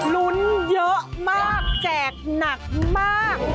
ลุ้นเยอะมากแจกหนักมาก